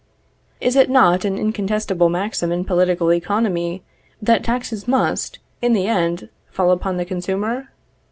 Is it not an incontestable maxim in political economy, that taxes must, in the end, fall upon the consumer?